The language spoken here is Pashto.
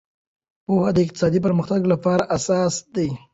پوهه د اقتصادي پرمختګ لپاره اساس دی.